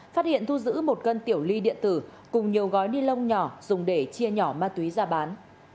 phát hiện thu giữ một cân tiểu ly điện tử cùng nhiều gói ni lông nhỏ dùng để chia nhỏ ma túy ra bán